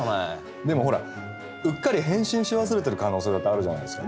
でもほらうっかり返信し忘れてる可能性だってあるじゃないですか。